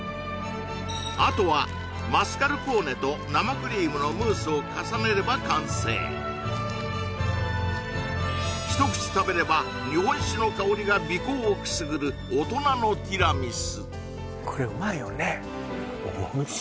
あとはマスカルポーネと生クリームのムースを重ねれば完成一口食べれば日本酒の香りが鼻こうをくすぐる大人のティラミス